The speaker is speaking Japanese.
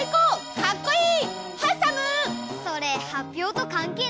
かっこいい！